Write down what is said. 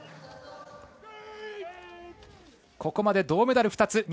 ここまで銅メダル２つ。